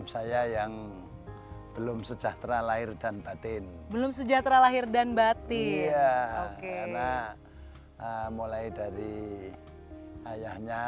saya yang belum sejahtera lahir dan batin belum sejahtera lahir dan batin karena mulai dari ayahnya